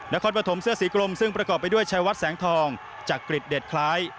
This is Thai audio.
นครปฐมเสื้อสีกลมซึ่งประกอบไปด้วยชัยวัดแสงทองจักริจเด็ดคล้าย